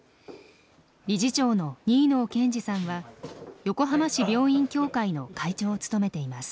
理事長の新納憲司さんは横浜市病院協会の会長を務めています。